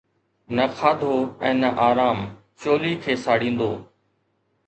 نه کاڌو ۽ نه آرام چولي کي ساڙيندو.